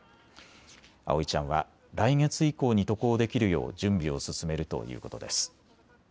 葵ちゃんは来月以降に渡航できるよう準備を進めるということです。